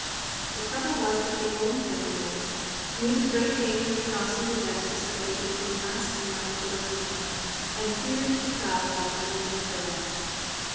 The trouble was that they owned their mules, knew the great danger of crossing the deserts that lay between us and Mt. Coropuna, and feared to travel on unknown trails.